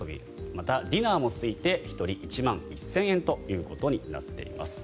またディナーもついて１人１万１０００円となっています。